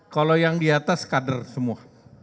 kalau yang di atas kader semua